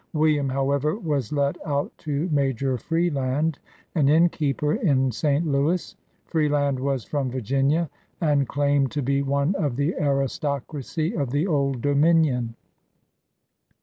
William, however, was let out to Major Freeland, an inn keeper in St. Louis. Freeland was from Virginia, and claimed to be one of the aristocracy of the Old Dominion.